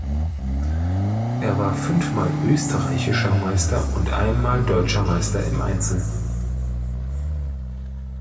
Er war fünfmal österreichischer Meister und einmal deutscher Meister im Einzel.